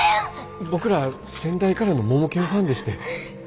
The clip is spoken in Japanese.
僕ら先代からのモモケンファンでして。